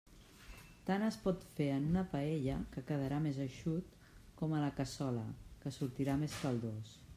Tant es pot fer en una paella, que quedarà més eixut, com a la cassola, que sortirà més caldós.